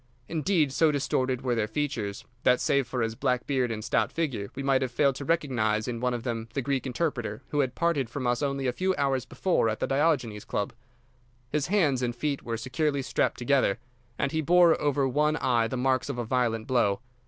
Indeed, so distorted were their features that, save for his black beard and stout figure, we might have failed to recognise in one of them the Greek interpreter who had parted from us only a few hours before at the Diogenes Club. His hands and feet were securely strapped together, and he bore over one eye the marks of a violent blow.